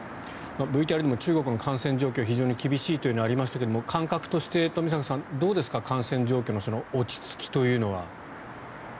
ＶＴＲにも中国の感染状況が非常に厳しいというのがありましたが感覚として冨坂さん、どうですか感染状況の落ち着きというのは。